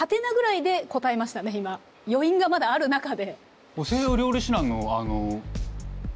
余韻がまだある中で。